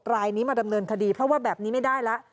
รายนี้มาดำเนินคดีเพราะว่าแบบนี้ไม่ได้แล้ว